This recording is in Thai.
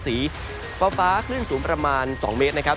สีฟ้าคลื่นสูงประมาณ๒เมตรนะครับ